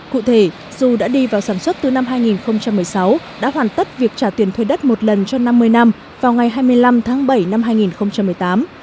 cụ thể dù đã đi vào sản xuất từ năm hai nghìn một mươi sáu đã hoàn tất việc trả tiền thuê đất một lần cho năm mươi năm vào ngày hai mươi năm tháng bảy năm hai nghìn một mươi tám